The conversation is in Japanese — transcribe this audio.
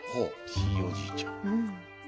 ひいおじいちゃん。